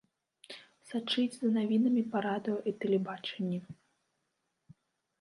Сачыць за навінамі па радыё і тэлебачанні.